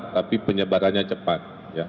tapi penyebarannya cepat